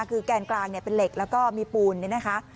คือแกนกลางเป็นเหล็กแล้วก็มีปูนเนี่ยนะคะ